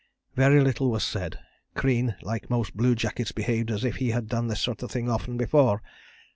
"Very little was said. Crean like most bluejackets behaved as if he had done this sort of thing often before.